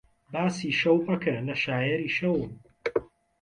باسی شەو مەکە نە شایەری شەوم